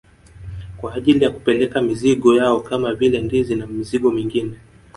Kwa ajili ya kupeleka mizigo yao kama vile ndizi na mizigo mingine